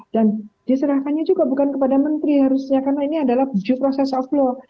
dan diserahkannya juga bukan kepada menteri harusnya karena ini adalah buku proses law